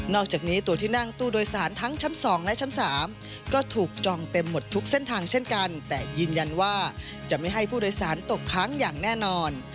อกจากนี้ตัวที่นั่งตู้โดยสารทั้งชั้น๒และชั้น๓ก็ถูกจองเต็มหมดทุกเส้นทางเช่นกันแต่ยืนยันว่าจะไม่ให้ผู้โดยสารตกค้างอย่างแน่นอน